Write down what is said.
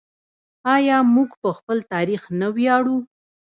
آیا موږ په خپل تاریخ نه ویاړو؟